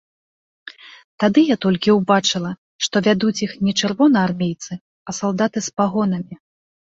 Тады я толькі ўбачыла, што вядуць іх не чырвонаармейцы, а салдаты з пагонамі.